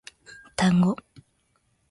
単語